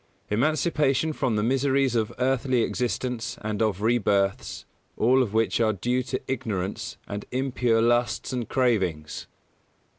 Emancipation from the miseries of earthly existence and of rebirths, all of which are due to ignorance and impure lusts and cravings.